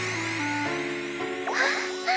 あっ！